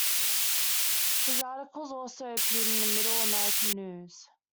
His articles also appeared in "Middle American News".